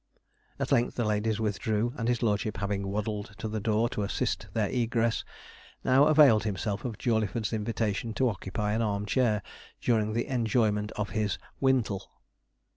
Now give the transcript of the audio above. At length the ladies withdrew, and his lordship having waddled to the door to assist their egress, now availed himself of Jawleyford's invitation to occupy an arm chair during the enjoyment of his 'Wintle.'